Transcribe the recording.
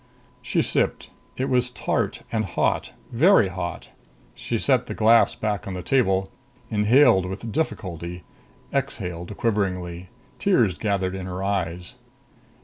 She sipped. It was tart and hot. Very hot. She set the glass back on the table, inhaled with difficulty, exhaled quiveringly. Tears gathered in her eyes.